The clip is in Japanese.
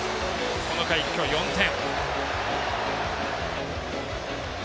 この回、一挙４点。